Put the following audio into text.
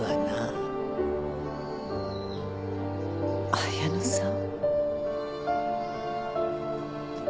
綾乃さん。